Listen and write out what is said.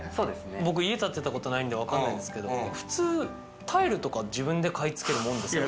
僕、家建てたことないんで、わからないんですけど、普通、タイルとかって自分で買い付けるものなんですか？